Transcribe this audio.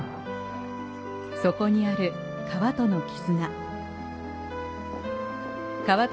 そこにある川との絆。